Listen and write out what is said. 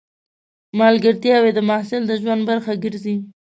ملګرتیاوې د محصل د ژوند برخه ګرځي.